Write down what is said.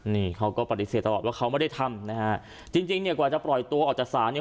นี่เขาก็ปฏิเสธตลอดว่าเขาไม่ได้ทำนะฮะจริงจริงเนี่ยกว่าจะปล่อยตัวออกจากศาลเนี่ย